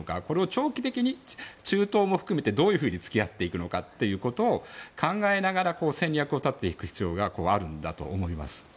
長期的に中東も含めてどういうふうに付き合っていくのかを考えながら戦略を立てていく必要があるんだと思います。